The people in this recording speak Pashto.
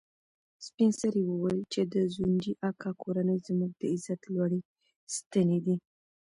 سپین سرې وویل چې د ځونډي اکا کورنۍ زموږ د عزت لوړې ستنې دي.